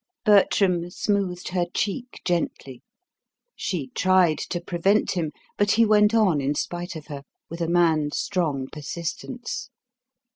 Bertram smoothed her cheek gently. She tried to prevent him, but he went on in spite of her, with a man's strong persistence.